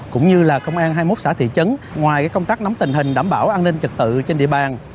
cũng như là công an hai mươi một xã thị trấn ngoài công tác nắm tình hình đảm bảo an ninh trật tự trên địa bàn